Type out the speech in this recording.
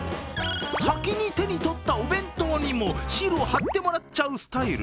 先に手に取ったお弁当にもシールを貼ってもらっちゃうスタイル？